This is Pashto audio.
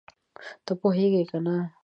ته پوهېږې که نه؟